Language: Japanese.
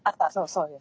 そうです。